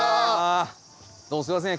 どうもすいません